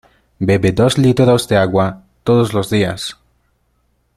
Bebe dos litros de agua, todos los días.